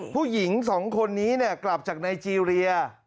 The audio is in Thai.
ผู้หญิงสองคนนี้กลับจากไนเจรีย